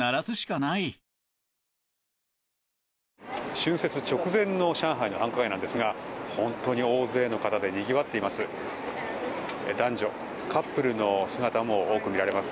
春節直前の上海の繁華街なんですが本当に大勢の方でにぎわっています。